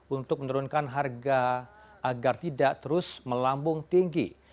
untuk menurunkan harga agar tidak terus melambung tinggi